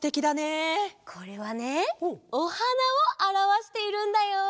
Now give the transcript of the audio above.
これはねおはなをあらわしているんだよ！